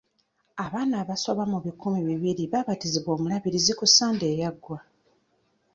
Abaana abasoba mu bikumi ebibiri baabatiziddwa omulabirizi ku sande eyaggwa.